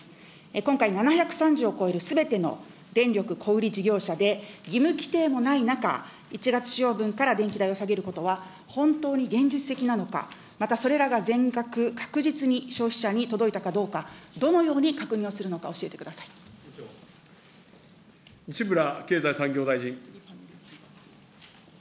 今回７３０を超えるすべての電力小売り事業者で、義務規定もない中、１月使用分から電気代を下げることは、本当に現実的なのか、またそれらが全額、確実に消費者に届いたかどうか、どのように確西村経済産業大臣。